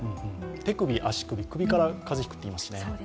手首、足首、首から風邪をひくといいますしね。